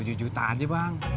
tujuh juta aja bang